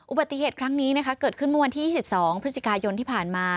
อุบัติเหตุครั้งนี้เกิดขึ้นเมื่อวันที่๒๒พฤศจิกายนที่ผ่านมา